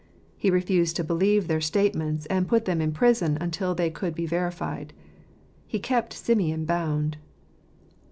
He refused to believe their statements, and put them in prison until they could be verified. He kept Simeon bound.